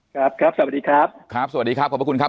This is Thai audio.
ครับครับสวัสดีครับ